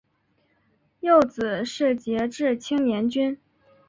幼子是杰志青年军。